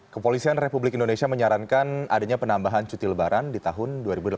kepolisian republik indonesia menyarankan adanya penambahan cuti lebaran di tahun dua ribu delapan belas